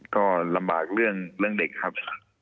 ก็ลำบากเรื่องเด็กครับ